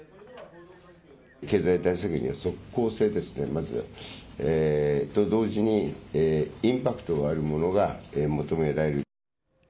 経済対策には即効性ですね、まずは。と同時に、インパクトがあるものが求められる。